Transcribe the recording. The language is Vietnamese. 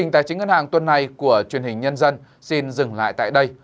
tài chính ngân hàng tuần này của truyền hình nhân dân xin dừng lại tại đây